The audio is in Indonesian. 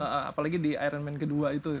apalagi di iron man kedua itu